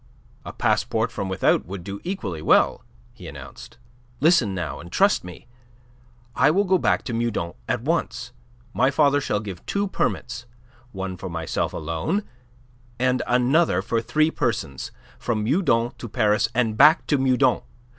"A passport from without would do equally well," he announced. "Listen, now, and trust to me. I will go back to Meudon at once. My father shall give me two permits one for myself alone, and another for three persons from Meudon to Paris and back to Meudon.